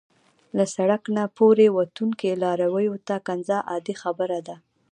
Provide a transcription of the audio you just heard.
له سړک نه پورې وتونکو لارویو ته کنځا عادي خبره ده.